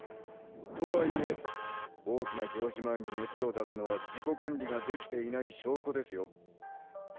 とはいえ大きな行事前に熱を出すのは自己管理ができていない証拠ですよ